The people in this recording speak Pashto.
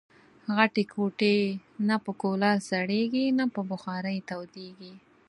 غټي کوټې نه په کولرسړېږي ، نه په بخارۍ تودېږي